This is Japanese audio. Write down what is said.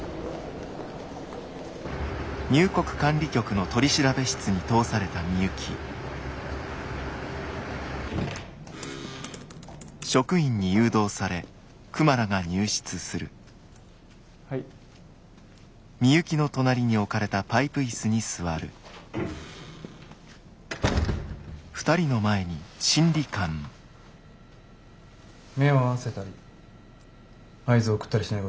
目を合わせたり合図を送ったりしないこと。